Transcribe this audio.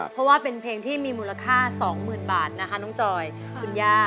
เพราะว่าเป็นเพลงที่มีมูลค่า๒๐๐๐บาทนะคะน้องจอยคุณย่า